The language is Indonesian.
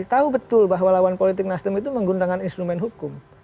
tahu betul bahwa lawan politik nasdem itu menggunakan instrumen hukum